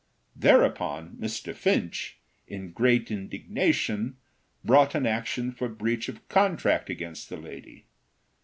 Thereupon Mr. Finch, in great indignation, brought an action for breach of contract against the lady.